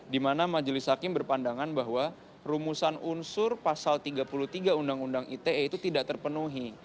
dimana majelis hakim berpandangan bahwa rumusan unsur pasal tiga puluh tiga undang undang ite itu tidak terpenuhi